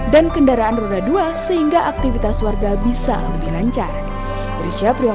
dan kendaraan roda dua sehingga aktivitas warga bisa lebih lancar